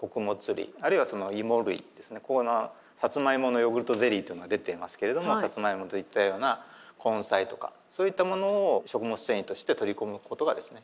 このさつまいものヨーグルトゼリーというのが出ていますけれどもさつまいもといったような根菜とかそういったものを食物繊維として取り込むことがですね